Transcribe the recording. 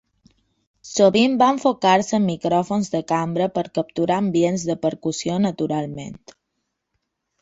Sovint va enfocar-se en micròfons de cambra per capturar ambients de percussió naturalment.